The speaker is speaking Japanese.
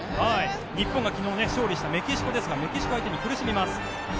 日本が昨日、勝利したメキシコですがメキシコ相手に苦しみます。